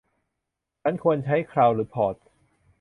ฉันควรใช้ เคราส หรือ พอทร์ช